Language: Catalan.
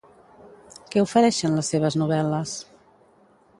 Què ofereixen les seves novel·les?